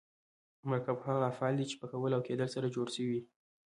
مرکب هغه افعال دي، چي په کول او کېدل سره جوړ سوي یي.